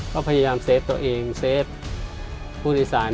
ก็พยายามเซฟตัวเองเซฟผู้โดยสาร